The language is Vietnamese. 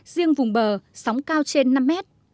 riêng vùng bờ sóng cao trên năm mét